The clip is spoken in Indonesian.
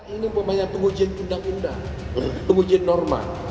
ini umpamanya pengujian undang undang pengujian norma